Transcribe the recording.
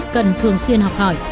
cần thường xuyên học hỏi